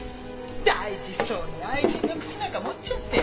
大事そうに愛人の靴なんか持っちゃって。